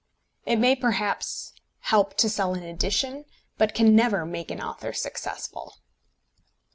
It may perhaps help to sell an edition, but can never make an author successful.